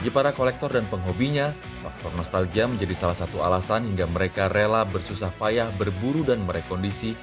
bagi para kolektor dan penghobinya faktor nostalgia menjadi salah satu alasan hingga mereka rela bersusah payah berburu dan merekondisi